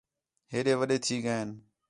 ہیݙے وݙے تھی ڳئین